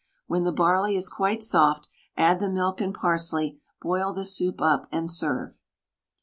When the barley is quite soft, add the milk and parsley, boil the soup up, and serve.